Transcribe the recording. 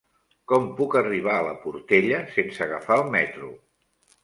Com puc arribar a la Portella sense agafar el metro?